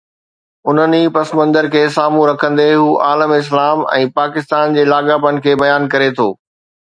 انهيءَ پس منظر کي سامهون رکندي هو عالم اسلام ۽ پاڪستان جي لاڳاپن کي بيان ڪري ٿو.